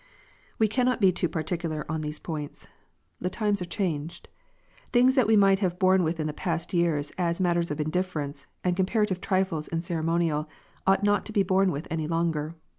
We cannot be too particular on these points. The times are changed. Things that we might have borne with in past years as matters of indifference, and comparative trifles in ceremonial, ought not to be borne with any longer.